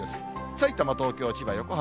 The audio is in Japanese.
さいたま、東京、千葉、横浜。